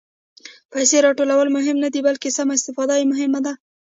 پېسې راټولول مهم نه دي، بلکې سمه استفاده یې مهمه ده.